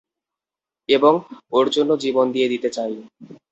এবং ওর জন্য জীবন দিয়ে দিতে চাই।